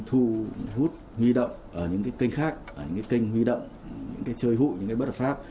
thu hút huy động ở những kênh khác kênh huy động những chơi hụi những bất hợp pháp